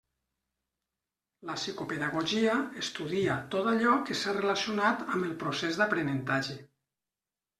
La psicopedagogia estudia tot allò que s'ha relacionat amb el procés d'aprenentatge.